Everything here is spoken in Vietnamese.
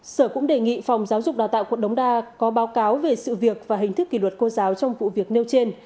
sở cũng đề nghị phòng giáo dục đào tạo quận đống đa có báo cáo về sự việc và hình thức kỷ luật cô giáo trong vụ việc nêu trên